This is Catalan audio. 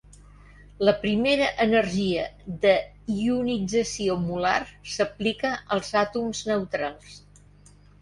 La primera energia d'ionització molar s'aplica als àtoms neutrals.